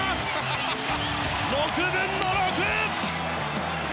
６分の６！